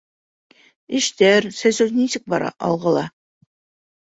Эштәр, сәсеү нисек бара «Алға»ла?